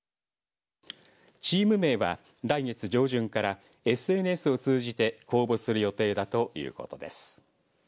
チーム名は来月上旬からＳＮＳを通じて公募する予定だということです。